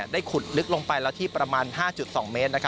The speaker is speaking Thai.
ขุดลึกลงไปแล้วที่ประมาณ๕๒เมตร